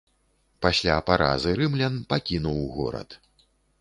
Пасля паразы рымлян пакінуў горад.